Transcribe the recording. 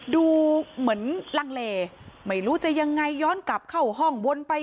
ดูเหมือนลังเลไม่รู้จะยังไงย้อนกลับเข้าห้องวนไป